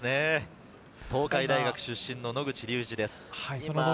東海大学出身の野口竜司です。